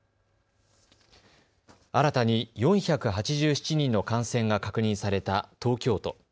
新たに４８７人の感染が確認された東京都。